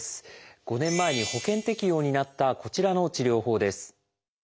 ５年前に保険適用になったこちらの治療法です。